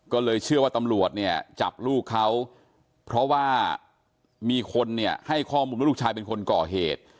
ก็เลยเชื่อว่าตำรวจเนี่ยจับลูกเขาเพราะว่ามีคนเนี่ยให้ข้อมูลว่าลูกชายเป็นคนก่อเหตุ